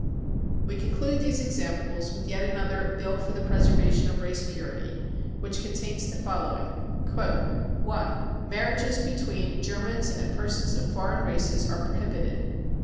We conclude these examples with yet another " Bill for the Preservation of Race Purity," which contains the following :" 1. Marriages between Germans and persons of foreign races are prohibited.